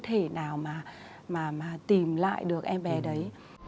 thể nào mà tìm lại được em bé đấy